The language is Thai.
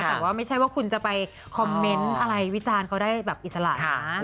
แต่ว่าไม่ใช่ว่าคุณจะไปคอมเมนต์อะไรวิจารณ์เขาได้แบบอิสระนะ